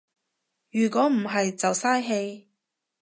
如果唔係就嘥氣